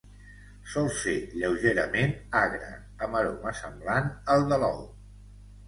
Sol ser lleugerament agre, amb aroma semblant al de l'ou.